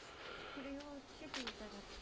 これをつけていただくと。